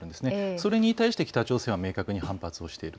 それに対して北朝鮮は明確に反発をしている。